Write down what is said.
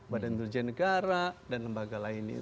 badan intelijen negara dan lembaga lainnya